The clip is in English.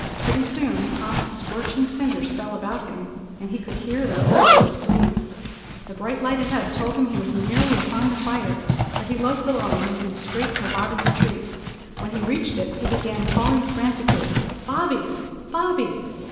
Pretty soon hot, scorching cinders fell about him, and he could hear the roar of the flames. The bright light ahead told him he was nearly upon the fire, but he loped along, making straight for Bobby's tree. When he reached it he began calling frantically. "Bobby! Bobby!"